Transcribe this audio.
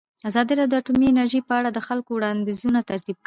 ازادي راډیو د اټومي انرژي په اړه د خلکو وړاندیزونه ترتیب کړي.